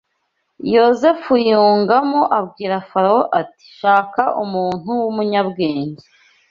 Yozefu yungamo abwira Farawo ati shaka umuntu w’umunyabwenge